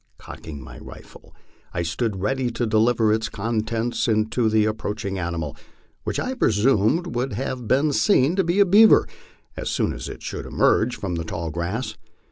Cocking my rifle, I stood ready to deliver its contents into the approaching animal, which I presumed would be seen to be a beaver as soon as it should emerge from the tall grass.